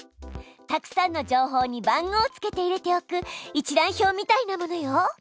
たくさんの情報に番号をつけて入れておく一覧表みたいなものよ。